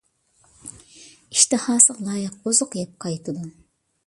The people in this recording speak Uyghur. ئىشتىھاسىغا لايىق ئۇزۇق يەپ قايتىدۇ .